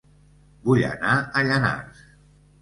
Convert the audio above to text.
Vull anar a Llanars